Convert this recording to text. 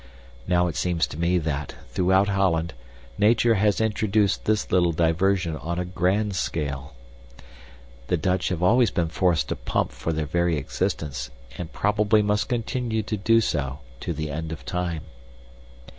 Now it seems to me that, throughout Holland, nature has introduced this little diversion on a grand scale. The Dutch have always been forced to pump for their very existence and probably must continue to do so to the end of time.